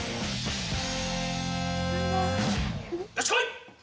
よしこい！